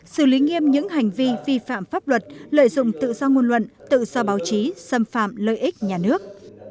xử lý nghiêm những hành vi vi phạm pháp luật lợi dụng tự do ngôn luận tự do báo chí xâm phạm lợi ích nhà nước